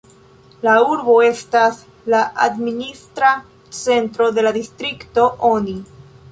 La urbo estas la administra centro de la distrikto Oni.